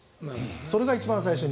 それが一番最初に。